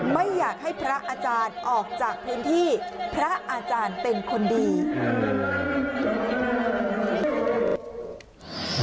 ไม่อยากให้พระอาจารย์ออกจากพื้นที่พระอาจารย์เป็นคนดี